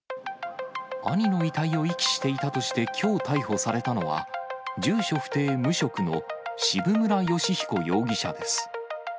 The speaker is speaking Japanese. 兄の遺体を遺棄していたとして、きょう逮捕されたのは、住所不定無職の渋村美彦容疑者です。